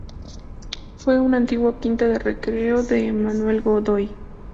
Fue una antigua quinta de recreo de Manuel Godoy.